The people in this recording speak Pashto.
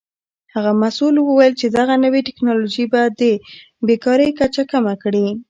هغه مسؤل وویل چې دغه نوې تکنالوژي به د بیکارۍ کچه کمه کړي.